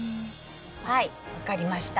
はい分かりました。